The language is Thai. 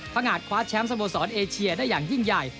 หากคว้าแชมป์สโมสรเอเชียได้อย่างยิ่งใหญ่